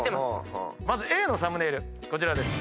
まずＡのサムネイルこちらです。